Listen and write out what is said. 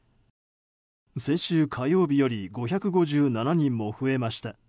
先週火曜日より５５７人も増えました。